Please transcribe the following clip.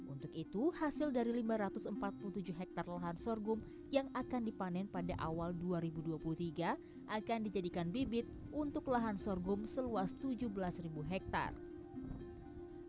untuk itu hasil dari lima ratus empat puluh tujuh hektare lahan sorghum yang akan dipanen pada awal dua ribu dua puluh tiga akan dijadikan bibit untuk lahan sorghum seluas tujuh belas ribu hektare